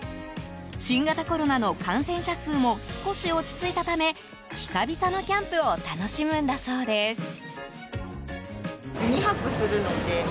新型コロナの感染者数も少し落ち着いたため久々のキャンプを楽しむんだそうです。